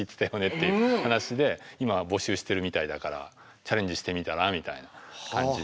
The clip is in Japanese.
って話で今募集してるみたいだからチャレンジしてみたらみたいな感じで。